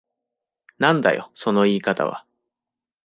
なんだよその言い方は。